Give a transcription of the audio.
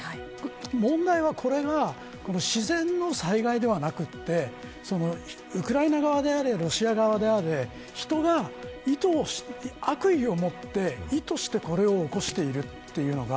問題は、これが自然の災害ではなくてウクライナ側であれロシア側であれ人が悪意を持って、意図してこれを起こしているというのが